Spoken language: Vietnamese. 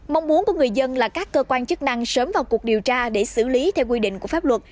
mong muốn của người dân là các cơ quan chức năng sớm vào cuộc điều tra để xử lý theo quy định của pháp luật